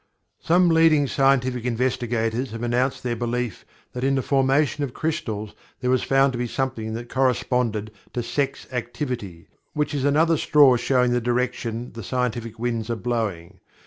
Some leading scientific investigators have announced their belief that in the formation of crystals there was to be found something that corresponded to "sex activity" which is another straw showing the direction the scientific winds are blowing.